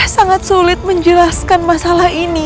sangat sulit menjelaskan masalah ini